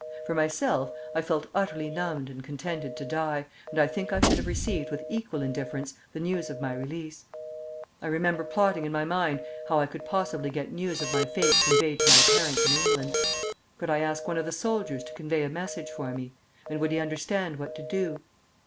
For myself, I felt utterly numbed and contented to die, and I think I should have received with equal indifference the news of my release. I remember plotting in my mind how I could possibly get news of my fate conveyed to my parents in England. Could I ask one of the soldiers to convey a message for me? And would he understand what to do?